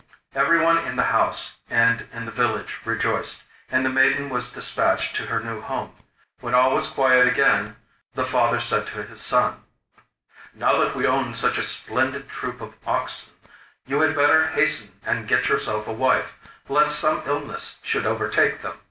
Everyone in the house and in the village rejoiced, and the maiden was despatched to her new home. When all was quiet again the father said to his son: 'Now that we own such a splendid troop of oxen you had better hasten and get yourself a wife, lest some illness should overtake them.